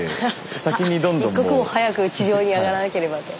一刻も早く地上にあがらなければと。